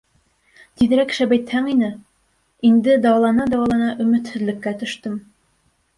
Тиҙерәк шәбәйтһәң ине, инде дауалана-дауалана өмөтһөҙлөккә төштөм.